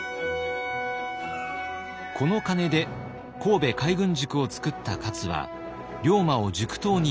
この金で神戸海軍塾を作った勝は龍馬を塾頭に抜てき。